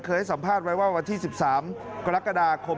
ให้สัมภาษณ์ไว้ว่าวันที่๑๓กรกฎาคม